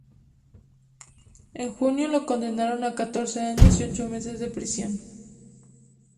En junio lo condenaron a catorce años y ocho meses de prisión.